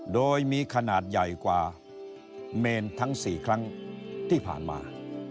โดยมีขนาดใหญ่กว่าเมนทั้ง๔ครั้งที่ผ่านมา